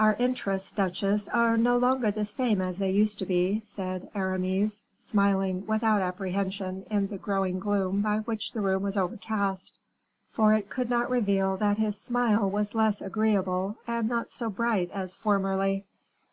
"Our interests, duchess, are no longer the same as they used to be," said Aramis, smiling without apprehension in the growing gloom by which the room was overcast, for it could not reveal that his smile was less agreeable and not so bright as formerly.